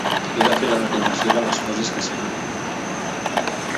He de fer la reclamació de les coses que s'han emportat.